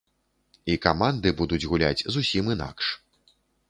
І каманды будуць гуляць зусім інакш.